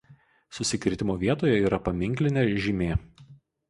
Susikirtimo vietoje yra paminklinė žymė.